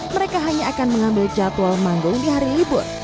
mereka hanya akan mengambil jadwal manggung di hari libur